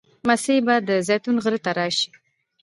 مسیح به د زیتون غره ته راشي.